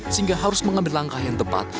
sehingga harus mengambil langkah yang tepat